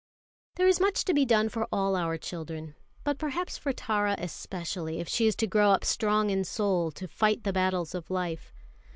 There is much to be done for all our children, but perhaps for Tara especially, if she is to grow up strong in soul to fight the battles of life.